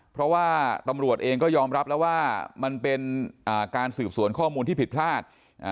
เพราะว่าตำรวจเองก็ยอมรับแล้วว่ามันเป็นการสืบสวนข้อมูลที่ผิดพลาด